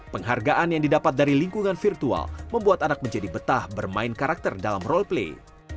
penghargaan yang didapat dari lingkungan virtual membuat anak menjadi betah bermain karakter dalam role play